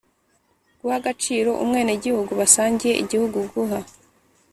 Guha agaciro umwenegihugu basangiye igihugu guha